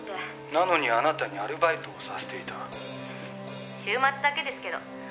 「なのにあなたにアルバイトをさせていた」「週末だけですけど。